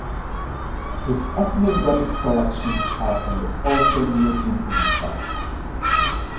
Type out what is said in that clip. His ethnographic collections are in the Ulster Museum in Belfast.